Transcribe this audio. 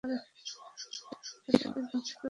তাকে জিজ্ঞাসা করুন।